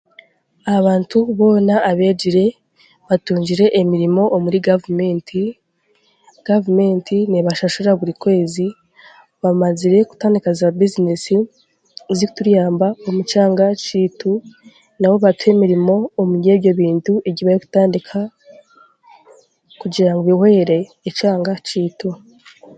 Abantu boona abeegire baatungire emirimo omuri gavumenti, gavumenti n'ebashashura buri kwezi bamazire kutandika zaabizineesi ezikutuyamba omu kyanga kyaitu n'obu batuha emirimo omuri ebyo bintu ebi barikutandika kugira ngu bwire ekyanga kyaitu